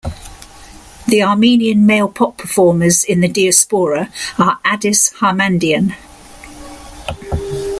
The Armenian male pop performers in the diaspora are Adiss Harmandian.